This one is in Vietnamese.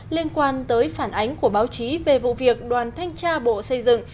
liên quan tới phản ánh của báo chí về vụ việc đoàn thanh tra bộ xây dựng